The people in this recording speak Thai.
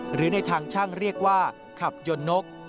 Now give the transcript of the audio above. หรือในทางช่างเรียกว่าขับยนต์นก